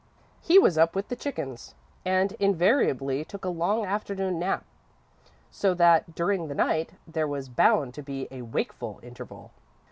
He was up with the chickens, and invariably took a long afternoon nap, so that, during the night, there was bound to be a wakeful interval.